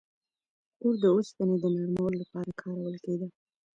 • اور د اوسپنې د نرمولو لپاره کارول کېده.